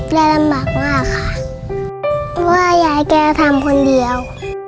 ลำบากมากค่ะเพราะว่ายายแกทำคนเดียว